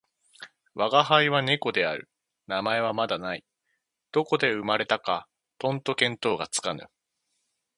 吾輩は猫である。名前はまだない。どこで生れたかとんと見当がつかぬ。